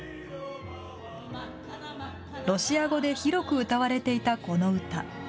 ロシア語で広く歌われていたこの歌。